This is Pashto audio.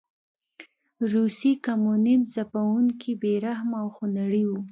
روسي کمونېزم ځپونکی، بې رحمه او خونړی و.